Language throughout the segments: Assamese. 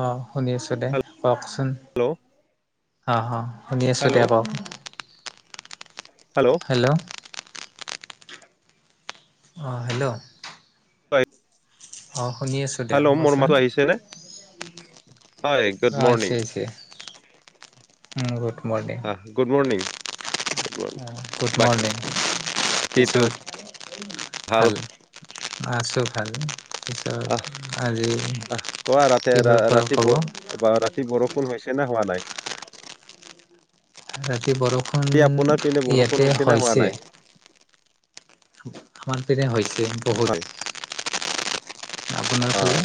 অ শুনি আছো দে, কওকচোন? হেল্ল' অ অ শুনি আছো দে হেল্ল' কওক। Hello hello. অ হেল্ল। [inaudible] অ শুনি আছোঁ। হেল্ল' মোৰ দেহচোন, মাতো আহিছে নে হয় গুড অ আয়েছে মৰ্ণিং আয়েছে। উম গুড মৰ্ণিং। আহ গুড মৰ্ণিং [inaudible] অ গুড মৰ্ণিং, বাকীটো পিছত ভাল? মই আছো ভালে। আহ আহ কোৱা ৰাতি কিহৰ ৰা ওপৰত ক'ব ৰাতিপুৱ বা ৰাতি বৰষুণ হৈছে নে হোৱা নাই? ৰাতি বৰষুণ এই আপোনাৰ পিনে বৰষুণ ইয়াতে নে হোৱা হৈছে। নাই আমাৰ পিনে হৈছে। বহুত হয়। আপোনাৰ অ ফালে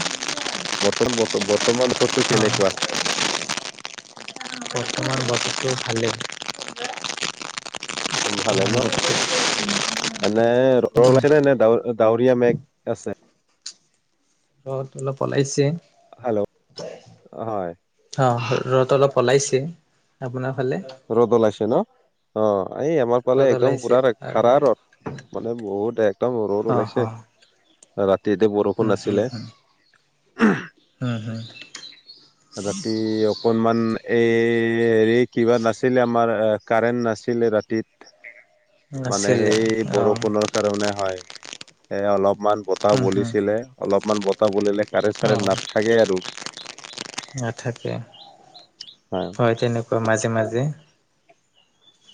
বৰ্তমান বত বৰ্তমান বতৰটো অ কেনেকুৱা? বৰ্তমান বতৰটো ভালেই। মান ভালেই বৰ্তমান বতৰটো ন, এনে ৰদ ওলাইছে নে ডাৱৰ এ ডাৱৰীয়া মেঘ আছে। ৰদ অলপ ওলাইছে। হেল্ল, হয়। অ ৰদ অলপ ওলাইছে, আপোনাৰ ফালে? ৰ'দ ওলাইছে ন, অ এই আমাৰ পালে ৰ'দ একদম ওলাইছে পুৰা আৰু খাৰা ৰ'দ। মানে বহুত এক। একদম ৰ'দ অ', ওলাইছে, অ', ৰাতি ৰাতি বৰষুণ উম, হম, আাছিলে হম, হম, হম ৰাতি অকনমান এ হেৰি কিবা নাছ ছিলে আমাৰ এ কাৰেন্ট নাছিলে ৰাতিত, মানে আছিলে সেই অ', বৰষুণত। কাৰণে হয়। এ অলপমান বতাহ হম, হম, বলিছিলে, অলপমান বতাহ বলিলে কাৰেন চাৰেন অ', নাথ থাকে আৰু। নাথাকে। অ'। হয় তেনেকুৱা মাজে মাজে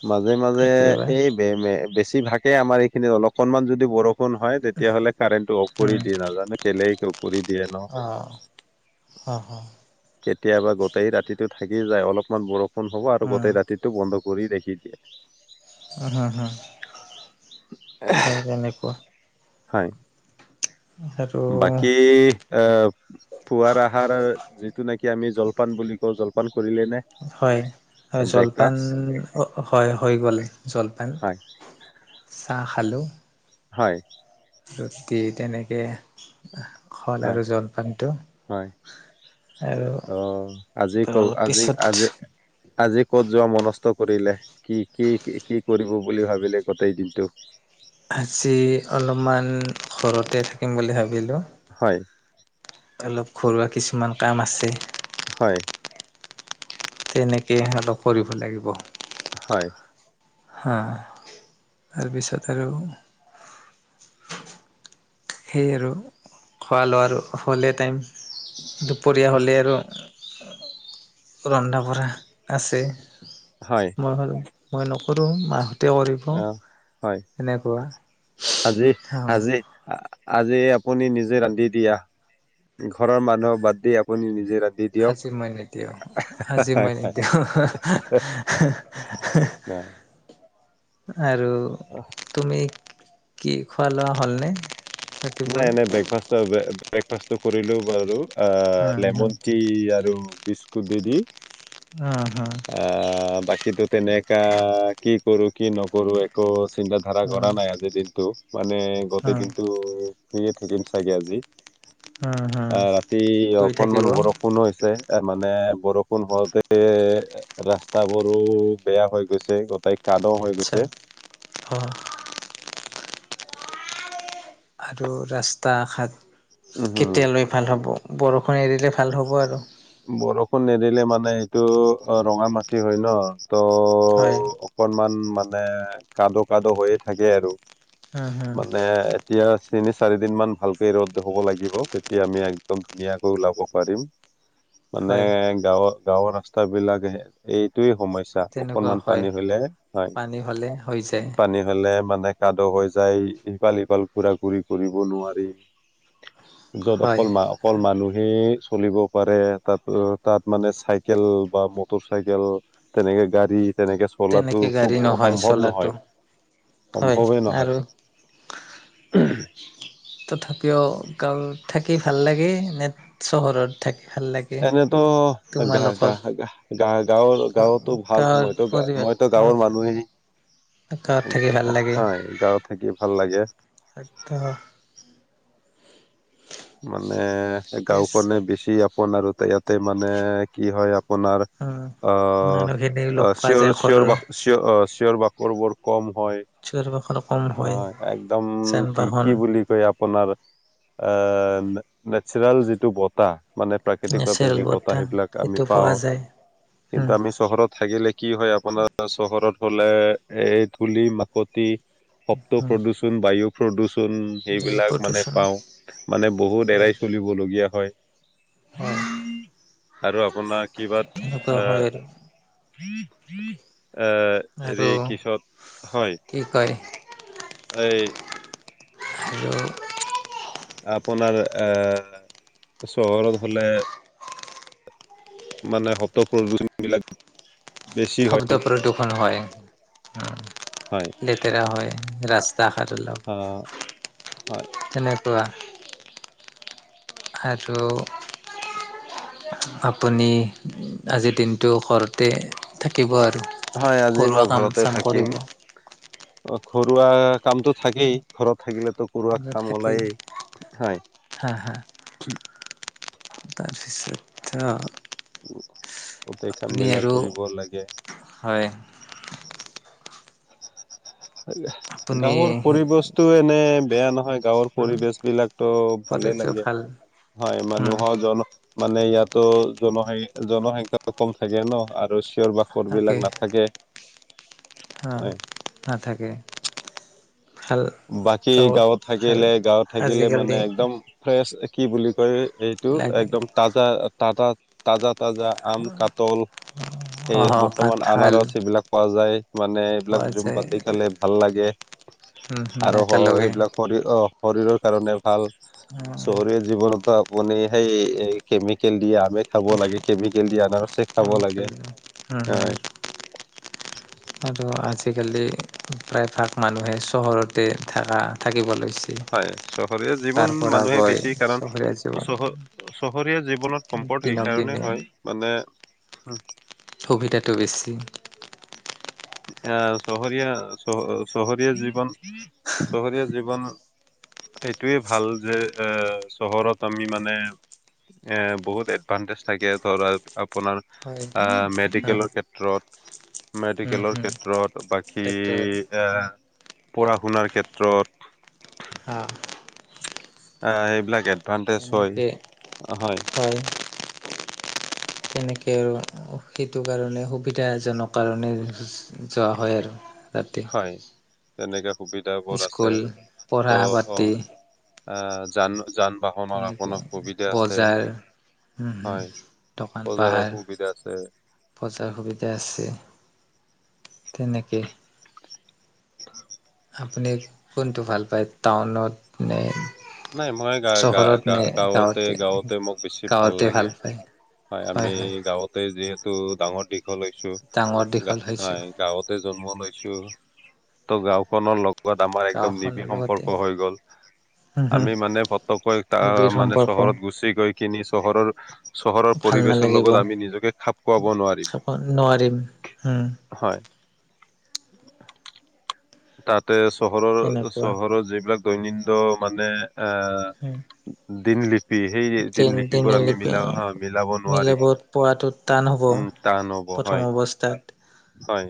মাজে মাজে কেতিয়াবা এই বে মে বেছিভাগে আমাৰ এইখিনিত অলকণমান যদি বৰষুণ হয় তেতিয়া হ'লে কাৰেণ্টটো অফ কৰি উম, দিয়ে, নাজানো কেলেই অফ কৰি দিয়ে ন। [inaudible] কেতিয়াবা গোটেই ৰাতিটো থাকি যায়, অলপমান বৰষুণ হ'ব আৰু উম, গোটেই ৰাতিত টো বন্ধ কৰি ৰাখি দিয়ে। [unintelligible] অ', তেনেকুৱা। হয়। আৰু বাকি, অ', পুৱাৰ আহাৰ যিটো নেকি আমি জল পান বুলি কওঁ জলপান কৰিলে নে। হয়, হয় জলপান ব্ৰেকফাষ্ট? হ হয় হৈ গ'ল জলপান হয়, চাহ খালো। হয়। ৰুটি তেনেকে হ'ল হয়, আৰু জলপানটো। হয়। আৰু অ', আজি ক অলপ আজি পিছত আজি আজি ক'ত যোৱা মনস্থ কৰিলে। কি কি কি কৰিব বুলি ভাবিলে গোটেই দিনটো। আজি অলপমান ঘৰতে থাকিম বুলি ভাবিলোঁ হয়। অলপ ঘৰুৱা কিছুমান কাম আছে। হয়। তেনেকে অলপ কৰিব লাগিব। হয়। হা, তাৰপিছত আৰু সেই আৰু খোৱা লোৱাৰ হ'লে টাইম, দুপৰীয়া হ'লেই আৰু ৰন্ধা বঢ়া আছে। হয়। মই নকৰো মাহঁ তে কৰিব অ' হয়। এনেকুৱা, অ' আ আজি আপুনি নিজে ৰান্ধি দিয়া ঘৰৰ মানুহক বাদ দি আপুনি নিজে ৰান্ধি আজি দিয়ক, মই নিদিওঁ আজি হয় হয় [inaudible] [inaudible] আৰু তুমি কি খোৱা লোৱা হ'লনে। ৰাতিপুৱাই? নাই নাই ব্ৰেকফাষ্ট ব্ৰেকফাষ্টটো কৰিলো বাৰু, উম হম লেমন টি আৰু বিস্কুটে দি দি। অ হা। আ বাকীতো তেনেকা কি কৰো কি নকৰো একো চিন্তা। ধাৰা উম কৰা নাই আজিৰ দিনটো মানে গোটেই উম দিনটো। শুইয়ে থাকিম চাগে আজি উম হম আ ৰাতি কৰি থাকিব অকনমান বৰ ষুণো হৈছে এ মানে বৰষুণ হওঁতে ৰাস্তা বোৰো। বেয়া হৈ গৈছে গোটেই কাদো হৈ গৈছে। হ। আৰু ৰাস্তা ঘাট উম কেতিয়ালৈ। ভাল হ'ব বৰষুণ এৰিলে ভাল হ'ব আৰু। বৰষুণ নিদিলে মানে এইটো অ ৰঙা মাটি হয় ন ত। হয় অকনমান মানে কাদো কাদো হৈয়ে থাকে আৰু উম হম মানে। এতিয়া তিনি চাৰি দিন মান ভালকে ৰ'দ হ'ব লাগিব তেতিয়া আমি একদম ধুনীয়াকৈ ওলাব পাৰিম। মানে হয় গাঁৱত গাঁওৰ ৰাস্তা বিলাকে। এইটোৱে সমস্যা তেনেকুৱা অকনমান হয় পানী হ'লে পানী হ'লে হৈ যায় হয় পানী। ফেলে মানে কাদো হৈ যায় ইফাল সিফাল ঘূৰা ঘূৰি কৰিব নোৱাৰি। য'ত হয় অকল মা অকল মানুহেই চলিব পাৰে। তাত অ তাত মানে চাইকেল বা মটৰ চাইকেল তেনেকে গাড়ী তেনেকে। চলাটো তেনেকে খুব গাড়ী নহয় সম্ভৱ চলাটো নহয় হয় সম্ভৱেই নহয়। আৰু হঘঘঘ। তথাপিও গাঁৱত থাকি ভাল লাগে নে চহৰত থাকি। ভাল লাগে এনেতো গা গা তোমালোকৰ গা গাঁৱৰ গাঁৱতো ভাল গাঁৱৰ মইতো গা পৰিৱেশ মই। তো গাঁৱৰ মানুহেই গাঁৱত থাকি ভাল লাগে। হয় গাঁৱত থাকি ভাল লাগে। এক টাকা। মানে ইয়েছ গাওঁখনে বেছি আপোন আৰু ইয়াতে মানে কি হয় আ পোনাৰ উম। আ মানুহখিনি আ লগ পোৱা চিঞৰ যায় ঘৰৰ চিঞৰ বা চিঞৰ অ চিঞৰ বাখৰবোৰ কম হয়। চৌপাশৰ কম অ হয় একদম যান কি বাহন কি বুলি কয় আপোনাৰ। এ নেচাৰেল যিটো বতাহ। মানে প্ৰাকৃতিকভাৱে নেচাৰেল যি বতাহ সেইবিলাক আমি সেইটো পোৱা পাওঁ যায়। কিন্তু উম, আমি চহৰত থাকিলে। কি হয় আপোনাৰ চহৰত হ'লে এই ধূলি মাকতি শব্দ উম, প্ৰদূ ষণ বায়ু প্ৰদূষণ বায়ু সেইবিলাক মানে প্ৰদূষণ পাওঁ। মানে বহুত হয়। এৰাই চলিবলগীয়া হয়। হয়। আৰু আপোনাৰ কিবাত তেনেকুৱা হয় আৰু এহ এহ। আৰু কি কয়? এই। হেল্ল'। আপোনাৰ আ চহৰত হ'লে। মানে শব্দ প্ৰদূষণ বিলাক। বেছি হয় শব্দ প্ৰদূষণ হয় হয় লেতেৰা হয় ৰা স্তা ঘাট আহ হয় বিলাক তেনেকুৱা। আৰু আপুনি আজিৰ দিনটো ঘৰতে থাকিব আৰু হয় আজি ঘৰুৱা মই কাম ঘৰতে চাম থাকিম কৰিব অ ঘৰুৱা। কামটো থাকেই ঘৰত থাকিলেতো ঘৰুৱা কাম থাকেই উলায়েই হয়। [inaudible] আচ্ছা। গোটেই কাম আপুনি বিলাক আৰু কৰিব লাগে। হয়। আপুনি গাঁৱৰ পৰিৱেশটো এনে বেয়া নহয়। গাঁৱৰ পৰিবেশ বিলাকটো ভালে কৰিছে লাগে ভাল হয় মানুহৰ জন মানে ইয়াতো জনসং-জনসংখ্যাতো কম থাকে নহ আৰু চিঞৰ বা খৰ বিলাক নাথাকে। হা হয়। নাথাকে। ভাল বাকী গাঁৱত থাকিলে গাঁৱত থাকিলে মানে আজিকালি একদম। ফ্ৰেছ কি বুলি কয় এইটো লাগে একদম তাজা, তাজা। তাজা, তাজা আম, কাঠাল এই অহ বৰ্তমান কাঁঠাল আনাৰস এইবিলাক পোৱা যায়। মানে এইবিলাক পোৱা জুম যায় পাতি খালে ভাল লাগে আৰু একেলগে সেইবিলাক শৰীৰ-শৰীৰৰ কাৰণে ভাল চহৰীয়া জীৱনোতো বনে সেই এ কেমিকেলি দি আমে খাব লাগে কেমিকেলি দি আনাৰচ। চেক খাব লাগে হয়। আৰু আজিকালি প্ৰায়ভাগ মানুহে চহৰতে থাকা থাকিব লৈছে। হয় চহৰীয়া তাৰ জীৱন পৰা মানুহে গৈ বেছি কাৰণ চহৰীয়া জীৱন চহ-চহৰীয়া জীৱনত সম্পদ দিনক এইকাৰণে দিনে হয় মানে সুবিধাটো বেছি। আ চহৰীয়া চহ-চহৰীয়া জীৱন চহৰীয়া জীৱন। এইটোৱে ভাল যে এ চহৰত আমি মানে এ বহুত এডভানটেজ থাকে ধৰা আপোনাৰ হয় আ হা মেডিকেলৰ ক্ষেত্ৰত উম মেডিকেলৰ হম ক্ষেত্ৰত। বাকী সেইটোত এতিয়া পঢ়া শুনাৰ ক্ষেত্ৰত। আ'। এ এইবিলাক এডভানটেজ হয়, তেনেকে হয়। হয়। এনেকে সেইটো কাৰণে সুবিধাজনক কাৰণে যোৱা হয় আৰু তাত। হয় এনেকা সুবিধা বোৰ আছে স্কুল ত' পঢ়া অ পাতি আ যান, যান বাহনৰ তেনেকে আপোনাৰ সুবিধা আছে। বজাৰ উম হম হয় দোকান বজাৰৰ পাহাৰ সুবিধা আছে। বজাৰ সুবিধা আছে তেনেকে আপুনি কোনটো ভাল পায় টাউনত নে। নাই মই গা, গা, চহৰত নে গা- গাওঁতে, গাঁৱতে গাওঁতে মোক বেছি ভাল গাঁৱতে লাগে। পায় হয় আমি গাওঁতে যিহেতু ডাঙৰ দীঘল হৈছোঁ ডাঙৰ দীঘল হৈছো হয়। গাঁৱতে জন্ম লৈছো ত' গাওঁখনৰ লগ [unintelligible] আমাৰ একদম গাঁওখনৰ নিবিৰ লগতে সম্পৰ্ক হৈ গ'ল। আমি মানে ফটককৈ আ নিবিৰ মানে সম্পৰ্ক চহৰত গুচি গৈ কিনি চহৰৰ। চহৰৰ ভাল পৰিবেশৰ নালাগিব লগত আমি নিজকে খাপ খোৱাব নোৱাৰিম চাব নোৱাৰিম উম হয়। তাতে চহৰৰ, তেনেকুৱা চহৰৰ যিবিলাক দৈনিন্দ মানে এ [inaudible] [unintelligible] তিন দিনলিপিবোৰ আমি তিনালিপে মিলা মিলাব নোৱাৰিম মিলাব পোৱাটো টান হ'ব উম টান হ'ব হয়। প্ৰথম অৱস্থাত। হয়।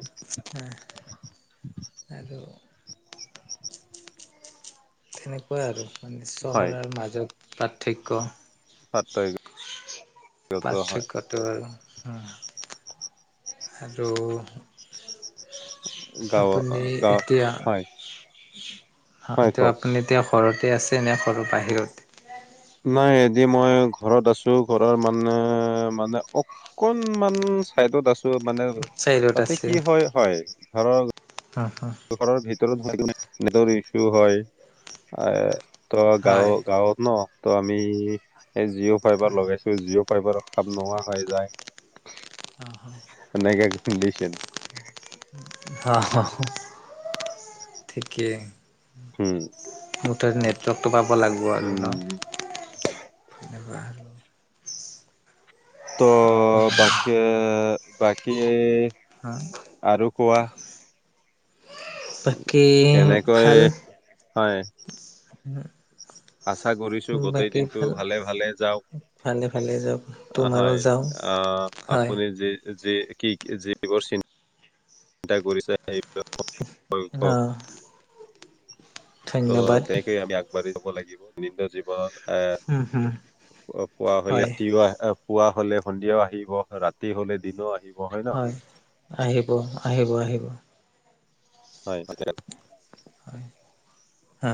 আৰু তেনেকুৱাই আৰু হয় চহৰৰ মাজত পাৰ্থক্য। পাত্ৰগত হয় পাৰ্থক্যটো আৰু উম। আৰু গাঁও আপুনি গাঁও এতিয়া হয় হয় কওক আপুনি এতিয়া ঘৰতে আছে নে ঘৰৰ বাহিৰত? নাই এদি মই ঘৰত আছো ঘৰৰ মানে মানে অ কন মান চাইডত আছো মানে তাতে কি হয় হয় ঘৰৰ হ হ। ঘৰৰ ভিতৰত [unintelligible] নেটৰ ইছু হয় আয় ত গাঁও হয়। গাঁওত ন, ত আমি এই জিঅ' ফাইবাৰ হয়। লগাইছো। জিঅ' ফাইবাৰৰ কাম নোহোৱা হৈ যায়। আহ এনেকে কণ্ডিচন হ [unintelligible] [unintelligible] ঠিকেই। হম। মুঠতে নেটৱৰ্কটো পাব লাগব আৰু ন। উম। [unintelligible] ত বাকি বাকি এই হা? আৰু কোৱা। বাকী কেনেকৈ ভাল হয়। [inaudible] আশা কৰিছো গোটেই বাকী দিনটো ভাল। ভালে ভালে যাওক, ভালে ভালে যাওক অ তোমাৰো হয় যাওঁ আহ হয়। আপুনি যি যি কি যিবোৰ চিন চিন্তা কৰিছে সেইবিলাক সফল অ হক। ত' ধন্যবাদ তেনেকৈয়ে আমি আগবাঢ়ি যাব লাগিব নিত্য জীৱনত। এ উম হুম পোৱা হলে হয় [unintelligible] পুৱা হলে সন্ধিয়াও আহিব, ৰাতি হলে দিনো আহিব। হয় আহিব আহিব আহিব। হয় [unintelligible] হয় হা।